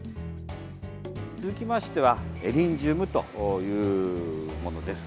続きましてはエリンジウムというものです。